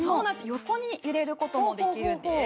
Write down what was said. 横に揺れることもできるんです